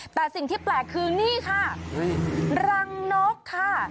แต่สิ่งที่แปลกคือนี่ค่ะรังนกค่ะ